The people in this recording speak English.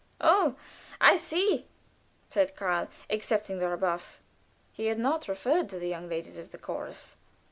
"Oh, I see!" said Karl, accepting the rebuff. He had not referred to the young ladies of the chorus.